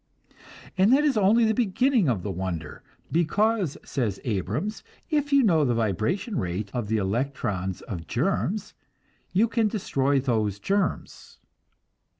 And that is only the beginning of the wonder; because, says Abrams, if you know the vibration rate of the electrons of germs, you can destroy those germs.